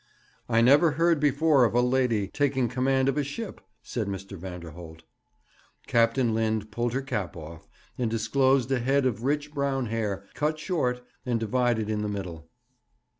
'I never heard before of a lady taking command of a ship,' said Mr. Vanderholt. Captain Lind pulled her cap off, and disclosed a head of rich brown hair, cut short, and divided in the middle.